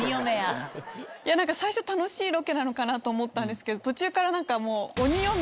最初楽しいロケなのかなと思ったんですけど途中から何かもう。